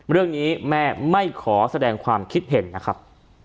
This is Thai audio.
เรื่องนี้แม่ไม่ขอแสดงความคิดเห็นนะครับ